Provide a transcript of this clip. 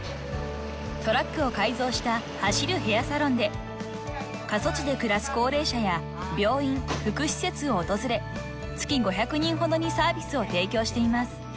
［トラックを改造した走るヘアサロンで過疎地で暮らす高齢者や病院福祉施設を訪れ月５００人ほどにサービスを提供しています］